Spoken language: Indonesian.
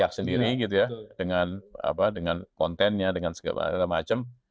pemerintah publik berteriak sendiri gitu ya dengan kontennya dengan segala macem